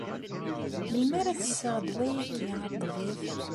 Melmi ara tesseɣ ddwa-agi, a ṭṭbib?